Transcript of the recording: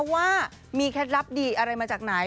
ว่ามีเคล็ดลับดีอะไรมาจากไหน